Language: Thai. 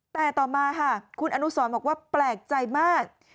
แต่ต่อมาค่ะคุณอนุสรบอกว่าแปลกใจมาก